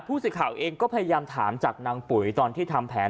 ผู้สื่อข่าวเองก็พยายามถามจากนางปุ๋ยตอนที่ทำแผน